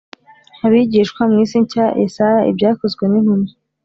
abigishwa mu isi nshya Yesaya Ibyakozwe nintumwa